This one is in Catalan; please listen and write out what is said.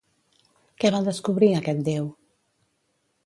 Què va descobrir aquest déu?